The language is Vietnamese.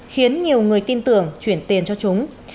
khiến nhiều người tin tưởng chuyển tiền cho chúng